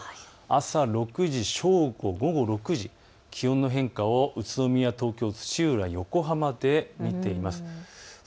朝６時、正午、午後６時、気温の変化を宇都宮、東京、土浦、横浜で見てみます。